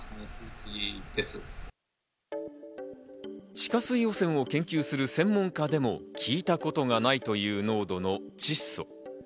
地下水汚染を研究する専門家でも聞いたことがないという濃度の窒素。